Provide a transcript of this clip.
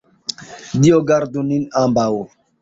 Dio gardu nin ambaŭ!